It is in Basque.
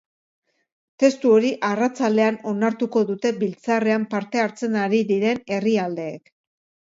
Testu hori arratsaldean onartuko dute biltzarrean parte hartzen ari diren herrialdeek.